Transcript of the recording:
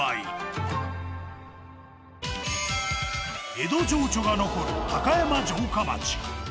江戸情緒が残る高山城下町。